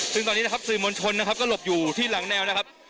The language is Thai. ซึ่งตอนนี้นะครับสื่อมวลชนนะครับก็หลบอยู่ที่หลังแนวนะครับ